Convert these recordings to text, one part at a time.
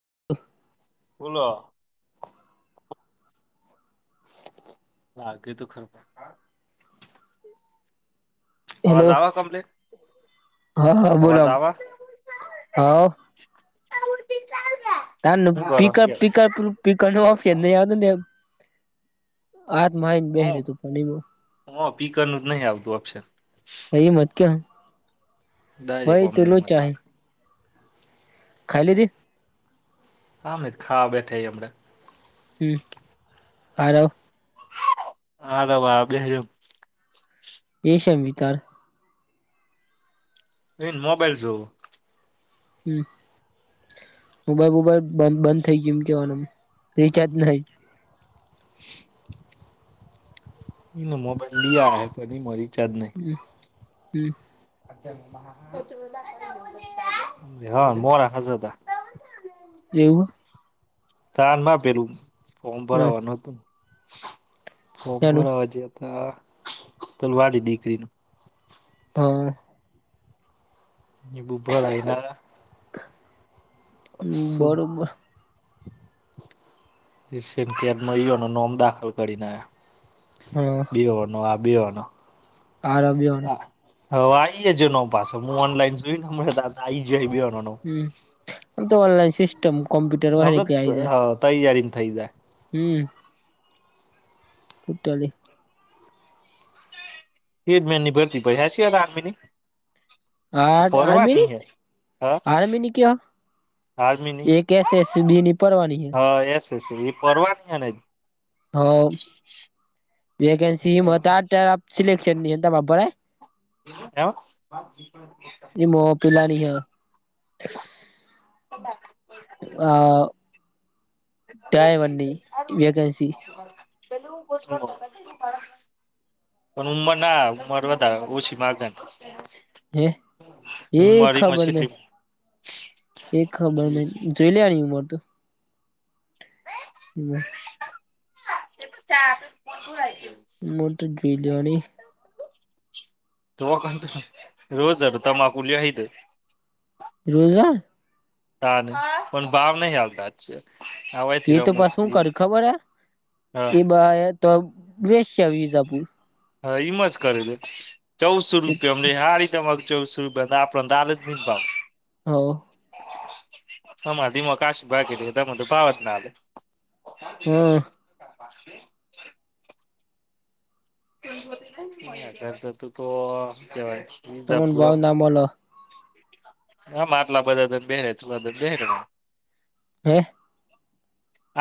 [unintelligible] બોલો. [inaudible] [unintelligible] અવાજ હેલો, આવે કમ્પ્લીટ હા હા અવાજ બોલો, આવે હા. ત શું કરો પ પીર પ ન ઓફિય ન આવ ને [unintelligible] આજ માયને બે ર તું પણ એ બ સ્પીકર ન જ નહીં આવતું ઓપ્શન. અહી મત ક્યા? ડાયરે ઓમ ન મત હે લાગ. ખાઈ લીધી? હમે ખા બેઠા હમડે. હમ, હાલો. હા બાબ આપજમ [unintelligible] એ છેમ વિતાર. એન મોબાઈલ જોવ. હમ, મોબાઈલ બોઈલ બ બંધ થઇ ગયુ એમ કેવાનું, રિચાર્જ નઈ. એ મોબાઈલી પણરી [unintelligible] રિચાર્જ નહીં. હમ. હા મોરાખ જ હતા. એેવું. તાનમાં પેલું. ફ્રોમ હ ભરવાનું હતું. [inaudible] ફ્રોમ એનું ભરવા જ્યાં હા પલવાડી નીકરીનું. હ. એ બુબરય ના. હમ બરોબર. ન કે નયો ન નોમ દાખલ કરીને. બે વાર નો બયોનો. હારબ્યોને. હવે આ આવી જજ ન પાસે હું ઓનલાઈન જોઈને મળ ત આ આવી જ. હમ. અંત ઓનલાઈન સિસ્ટમ કોમ્પ્યુટર હ હોય તો ને હ એટલે ત આઈ જાય જ થઈ જાય. હમ. પુટલી [unintelligible] હેરમેની ભરતી પ હ છેયાર આર્મીની. આ પરવાની આર્મીની હે હા આર્મીની ક્યાં? આર્મીની એક એસ એસ બીની પરવાની હૈ. હા એસ એ ફવાની ને. હા. વેકન્સી આ સિલેકસન નની ભરાય? એમાં પેલાની હે હ આ [unintelligible] [unintelligible] ું ડ્રાઈવરની વેકેન્સી પણ ઉમર ના ઉમર વધા ઓછી માગદ. હે એ ખબર છેટલી નઈ એ ખબર નહ જોઈ લે આ રીમોટ નોટ જ જોઈ લેવાની તો રોજ આ તમાકુ લી આવી દે રોજ આ હા ને પણ ભાવ નહી આલતા છે આવાયથી એ તો પછુ શું રમુસ્તી કર્યું ખબર હે હા એ બા તો વેશ વિઝાપુર હા ઈમાં જ કરે દે ચૌસો રૂપિયા અમને સ રીતે, ચૌસ બા આપંદા જ ન ભાવ. હ તમારે ધીમા કાશી ભાગી ર તમે તો ભાવ જ ના આવે, હમ પાછ તું તો કેવાય તમને બઉ નામ બોલો. હમ આટલા બધા તમ બેહેને તલાધમ બેહેને હે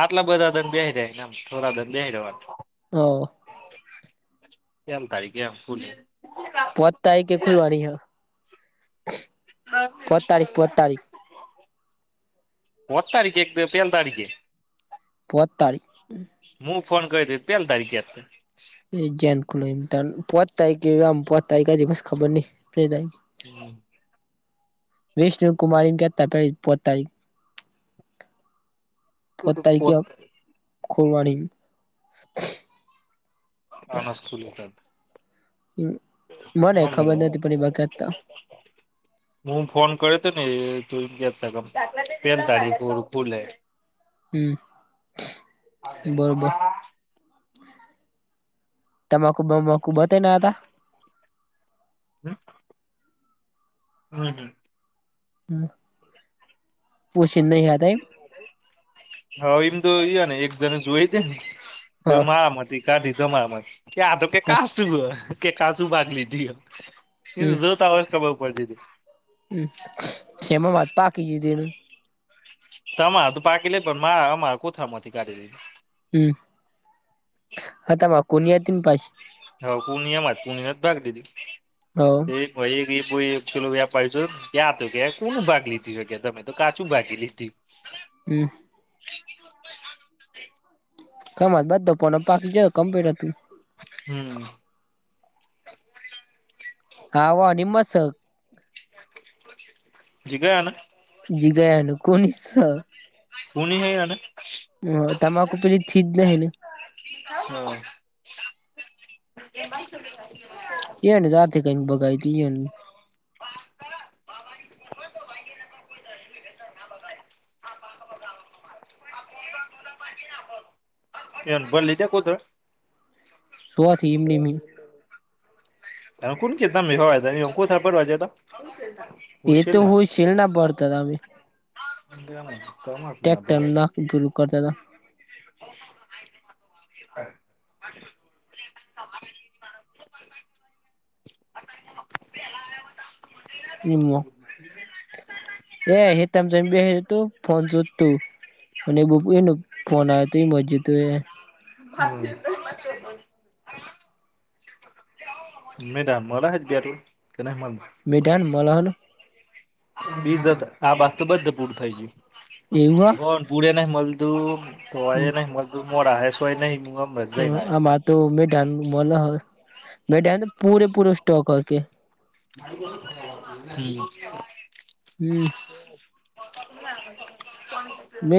આટલા બધા દંધ બે જાયને થોડા દંધ બે દેવાનું હ એમ તારીખે આમ ફૂલી પોતાાય કે ખુલવાની હ, પોદ તારીખ પોદ તારીખ. બત તારીખે એક પહેલ તારીખે. પો તારીખ હું ફોન ક પેલાલી તારીખે આપે એજ કો પોત થાય કે, આમ પોત થાય કઈ દિવસ ખબર નંાય હમ વિષ્ણુ કુમારી ક તે પો તારીખ. એ તો પો. [unintelligible] અ અ ખોવાડીન અન [unintelligible] અમ મને હમે ખબર નથી પણ એ [unintelligible] હું ફોન [unintelligible] હમ્મ બરોબર. તમાકુ બમાકૂ બધાના હતા? હમ્મ. [unintelligible] હમ્મ. હ એમ તો એને એક જને જોઈતી ને. હ ત મા મ હતી. કા દીધો મા માથી કે આતો કે હ કા સુુંવે કે કાજુ ભાગ લીધી. એ જોતા હોય ખબર. કર દીધી. એમાં વાત પાકી જીધી એનું. તમારે તો પાકી લે પણ મારા અમારે કોથળામાંથી કાઢેલી હમ્મ હતામાં કોની અતી ને પાસ હા પૂર્ણિયામાં જ પૂર્ણિયા જ ભાગ દીધી હ તે એ ભાઈએ થેલો વ્યાપાયો તો [unintelligible] કે કોનું ભાગ લીધું શકે તમે તો કાચું ભાગી લીધી. હમ્મ. તમા બધો પોનો પાકી જ કમ્પેટ હતું. હમ્મ. ખાવાની મસ જીગા આના જીગાનું કોની સ તું ની હ અને હમ્મ તમાકુ પેલી થીજ નય ને એ એને જાતે કરીને ભગાઈ તી એન [unintelligible] સુવાથી એમનેમ એમની તમે કોણ કી તમે સવારે જાયે કોથપડા ભરવાં જતાં એ તો હોય છેેલ ના ભરતાં તા અમે [inaudible] ટેક્ટર ના પ પેલુ કરતા તા [inaudible] નિમો એ હેટા જયને બેહેતો ફોન જોતું અને એ બો એનું ફોન આયો તો એમજ હતું એ [inaudible] મેદન મલહાનો બીજા તો આ બાજ તો બધે પૂરું થઈ ગયું એવું હ કોણ પુડે ન મલ તો તો એ નહી મજું મરા હે શો એ નહી હ આમાં તો મેઢા મોલા હોય, બેટ પૂરે પૂરો સ્ટોક કર કે, [inaudible] હમ [inaudible] મે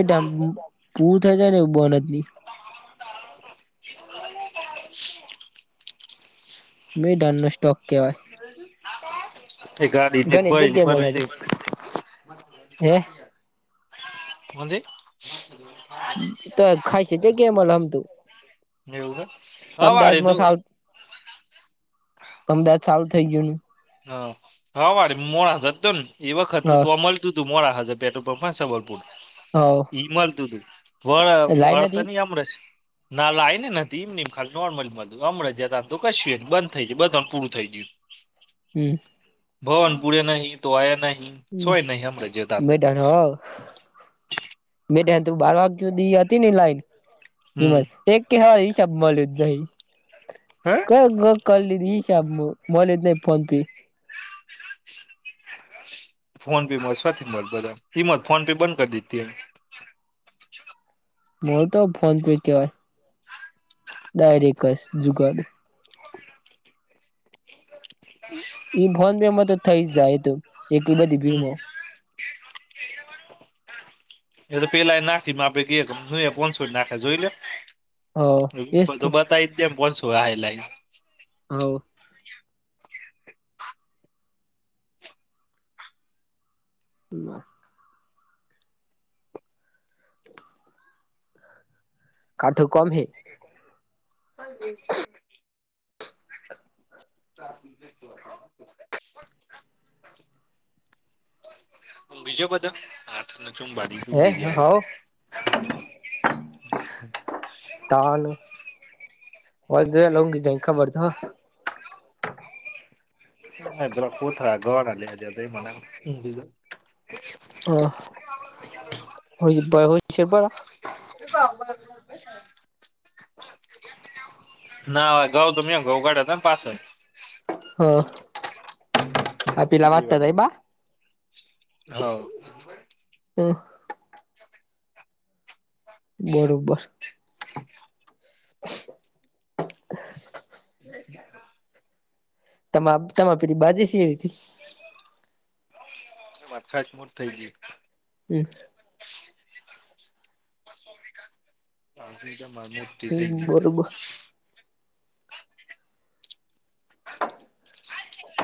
પૂર થ જાય ને બનતની. [inaudible] મેં ડેલ ને ટોકિ્યો એક ગાડી મલે ભીતે. છે હે કોજ તો ખાય છે, કે કેમલ આમ તું, એવું હવારે તો અમદાવાદમાં સા અમદાવાદ ચાલું થઈ ગયું ને, હ હા વારે મોડા સતતો ને એ વખત ને તો, મળતું તું. મરા હા જે પ બેટ પ્ર પરફરન્ છે, બોલપર હ હ એઈમાલતું તું વળ લાઈન વાળતા હતી નહ આમરેસ ના લ આવી ને નથી એમમ ખાલી નોર્મલ મળ હમણાં જ આમ તો કશુંને બંધ થઈ ગયું બધા પૂરું થઈ ગયું હમ ભવન પુડે નહી તો આયા ન હ મેઢક [inaudible] મેઢક ત બાર વાગ્ય દી હતી, ને લાઈન હમ હમજ એક કે હાઈ છબબલુધહી હે ક કર લીધી [unintelligible] મોલ જ ન ફોન પે ફોન પેમાંથી મળી બધા કિંમત ફોન પે બંધ કરી દીતી એમ માર તો ફોન પે કેવાય ડાયરેકસ જગાડ એ ભોન બેેમાં તો થઈ, જ જાય તો એટલી બધી હમ ભીમો એ તો પેલા નાખી, માપે કે પોસો નાખે જોઈ લે હ એ તો બતાવી દે કોન શું હ હવ હ અ કાઠોક [unintelligible] બીજો બધો ચુંબાની હે હવ [inaudible] [inaudible] ખાવાનું હોજે લગ જવ ખબર તો કોથળા [unintelligible] હો હોઈ દવો [unintelligible] છે બા [inaudible] ના આગુઉં તમે ઘઉં ગાઢ્યા હતા ને પાસળ હા આ પેલા માં લેવા દેના ટગરબા હવ હ [inaudible] બરોબર [inaudible] [inaudible] તમા તમે પેલી બાજી છે [inaudible] વાત ખાચ મોટ થઈ ગય હમમ [inaudible] [inaudible] માં મુક્તિ થઈ હમ ગઈ. બરોબર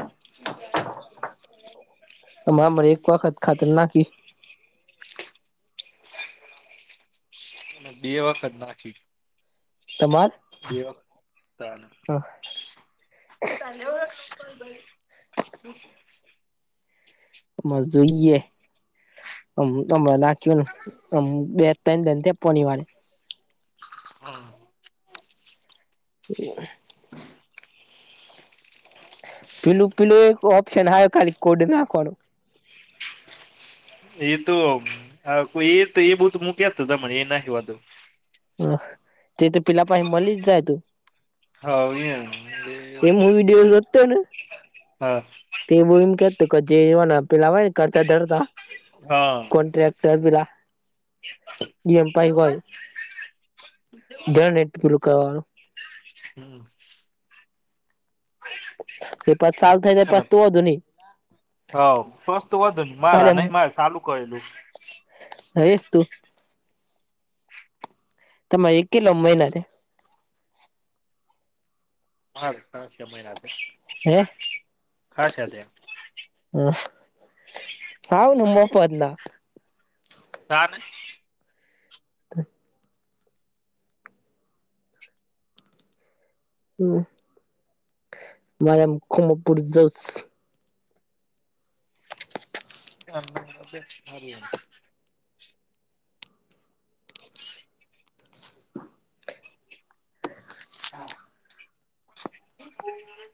[inaudible] તમામ એક વખત ખાતર નાખી અને બે વખત નાખી. તમારે એ વ તાન પેહલી વાર [unintelligible] મસ્ડ જોઈએ. અમને તો મના બે ટય [unintelligible] પોની વાડે હમમ [inaudible] પેલું પેલું એક ઓપ્શન આયો ખાલી કોડ નાખવાનું. એતો કોય એ તો એ બ તો મક્યા તો તને એ નાખવાધું. તે તો પેલા પાસે મળલી જ જાય તું હા એ એ એમ હું વિડીયો જોતો ને તે બન કત કજે અવ ના પેલા આવે ને કરતા ધરતા હા તરપીલા પી એમ પાય વાય કર હમમ [inaudible] હ થઈ જાય પાછ તો વાંધો નહી સસ્ત વાંધો નહ મારા નહી મારે ચાલું કરેલું હોયસ તું તમારે એક કિલો મહિના થી હં પાચ છ મહિના થયા હે ખાસા હ હાવ નબો પદના સાને થ હમમ મારે એમ ખમપુર જઉસ [inaudible] [inaudible] હા. બિલકુલ ની